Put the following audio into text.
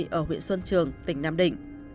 thực có một bà mẹ nuôi ở huyện xuân trường tỉnh nam định